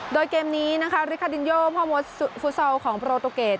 โดยเกมนี้ริคาร์ดินโยพอมูลฟุตโซลของโปรโตเกรด